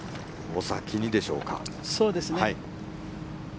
お先にでしょうか。